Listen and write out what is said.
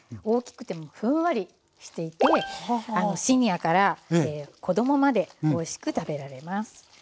大きくてもふんわりしていてシニアから子どもまでおいしく食べられます。